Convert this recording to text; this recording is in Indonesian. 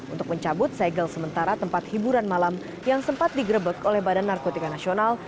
untuk mencabut segel sementara tempat hiburan malam yang sempat digrebek oleh badan narkotika nasional